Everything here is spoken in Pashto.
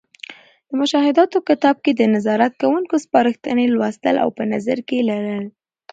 د مشاهداتو کتاب کې د نظارت کوونکو سپارښتنې لوستـل او په نظر کې لرل.